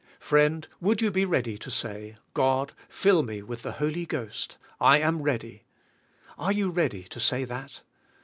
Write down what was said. Friend, would you be ready to say, God! fill me with the Holy Ghost; I am ready. Are you ready to say that?